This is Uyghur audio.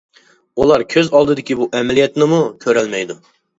ئۇلار كۆز ئالدىدىكى بۇ ئەمەلىيەتنىمۇ كۆرەلمەيدۇ.